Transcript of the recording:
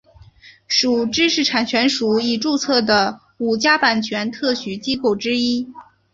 属知识产权署已注册的五家版权特许机构之一。